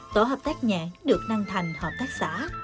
tổ hợp tác nhãn được nâng thành hợp tác xã